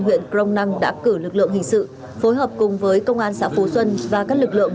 huyện crong năng đã cử lực lượng hình sự phối hợp cùng với công an xã phú xuân và các lực lượng